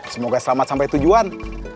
semoga selamat sampe tujuan